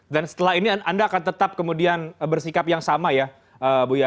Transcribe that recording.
dan setelah ini anda akan tetap kemudian bersikap yang sama ya buya